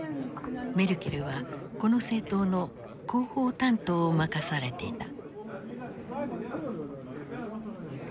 メルケルはこの政党の広報担当を任されていた。